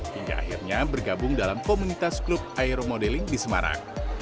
hingga akhirnya bergabung dalam komunitas klub aero modeling di semarang